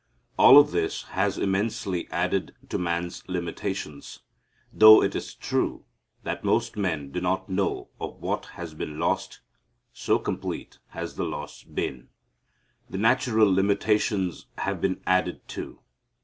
All of this has immensely added to man's limitations, though it is true that most men do not know of what has been lost, so complete has the loss been. The natural limitations have been added to.